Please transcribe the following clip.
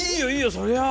そりゃあ。